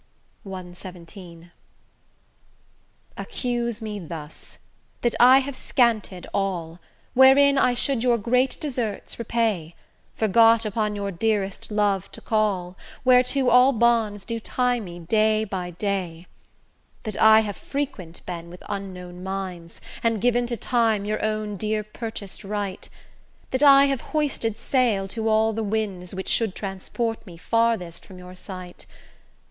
CXVII Accuse me thus: that I have scanted all, Wherein I should your great deserts repay, Forgot upon your dearest love to call, Whereto all bonds do tie me day by day; That I have frequent been with unknown minds, And given to time your own dear purchas'd right; That I have hoisted sail to all the winds Which should transport me farthest from your sight.